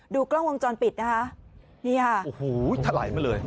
กล้องวงจรปิดนะคะนี่ค่ะโอ้โหถลายมาเลย